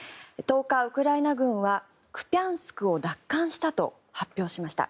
１０日、ウクライナ軍はクピャンスクを奪還したと発表しました。